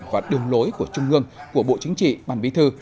và đường lối của trung ương của bộ chính trị ban bí thư